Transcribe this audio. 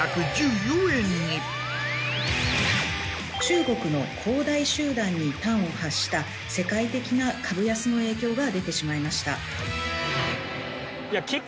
中国の恒大集団に端を発した世界的な株安の影響が出てしまいました。